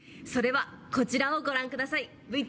それはこちらをご覧下さい。